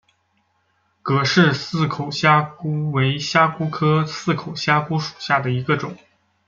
葛氏似口虾蛄为虾蛄科似口虾蛄属下的一个种。